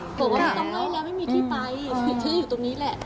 บอกว่าไม่ต้องไล่แล้วไม่มีที่ไปมีชื่ออยู่ตรงนี้แหละ